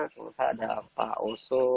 misalkan ada pak oso